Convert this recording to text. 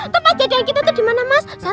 tempat jadian kita tuh dimana mas